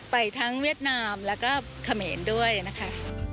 ไปทั้งเวียดนามแล้วก็เขมรด้วยนะคะ